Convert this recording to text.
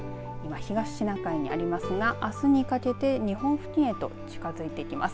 東シナ海にありますがあすにかけて日本付近へと近づいてきます。